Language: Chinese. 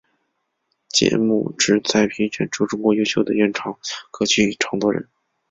节目旨在评选出中国优秀的原创歌曲与唱作人。